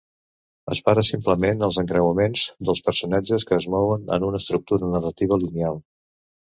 Es para simplement als encreuaments dels personatges que es mouen en una estructura narrativa lineal.